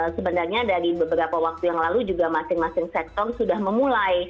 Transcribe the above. sebenarnya dari beberapa waktu yang lalu juga masing masing sektor sudah memulai